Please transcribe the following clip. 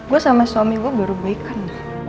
gue sama suami gue baru baik kan